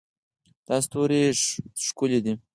دا ستوری ښکلی ده